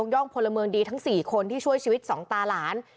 ย่องพลเมืองดีทั้ง๔คนที่ช่วยชีวิตสองตาหลาน